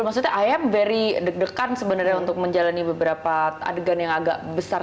maksudnya ayam very deg degan sebenarnya untuk menjalani beberapa adegan yang agak besar